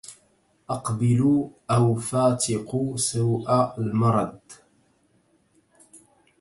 أقبلوا أو فاتقوا سوء المرد